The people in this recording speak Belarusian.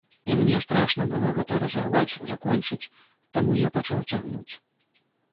І мне страшна было гэта разарваць, закончыць, таму я пачаў цягнуць.